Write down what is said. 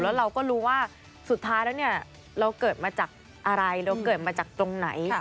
แล้วเราก็รู้ว่าสุดท้ายแล้วเนี่ยเราเกิดมาจากอะไรเราเกิดมาจากตรงไหน